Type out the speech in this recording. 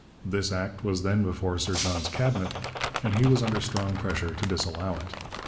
This Act was then before Sir John's Cabinet and he was under strong pressure to disallow it.